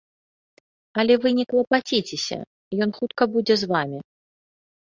Але вы не клапаціцеся, ён хутка будзе з вамі.